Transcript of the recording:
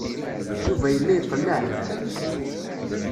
Yuba yella iqelleɛ.